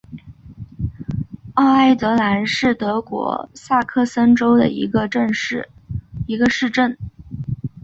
奥埃德兰是德国萨克森州的一个市镇。